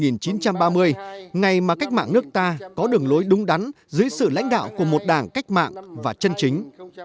năm một nghìn chín trăm ba mươi ngày mà cách mạng nước ta có đường lối đúng đắn dưới sự lãnh đạo của một đảng cách mạng và chân chính